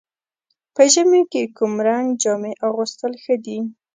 په ژمي کې کوم رنګ جامې اغوستل ښه دي؟